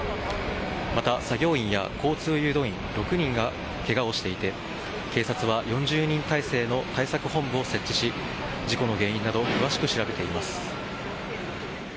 また、作業員や交通誘導員６人がケガをしていて警察は４０人体制の対策本部を設置し事故の原因などを詳しく調べています。